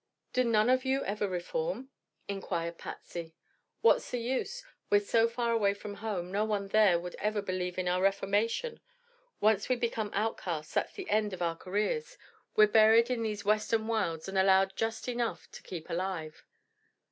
"Do none of you ever reform?" inquired Patsy. "What's the use? We're so far away from home no one there would ever believe in our reformation. Once we become outcasts, that's the end of our careers. We're buried in these Western wilds and allowed just enough to keep alive."